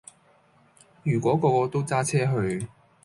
如果個個都揸車去